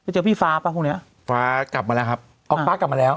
เจอพี่ฟ้าป่ะพรุ่งเนี้ยฟ้ากลับมาแล้วครับออกฟ้ากลับมาแล้ว